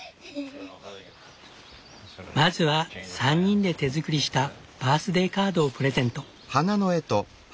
まずは３人で手作りしたバースデーカードをプレゼント。